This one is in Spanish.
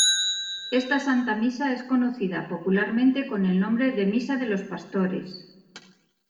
Esta Santa Misa es conocida popularmente con el nombre de "Misa de los pastores".